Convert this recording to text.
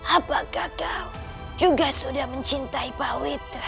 apakah kau juga sudah mencintai pak wetra